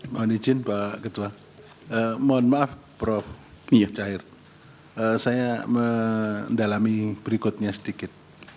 mohon izin pak ketua mohon maaf prof yudahir saya mendalami berikutnya sedikit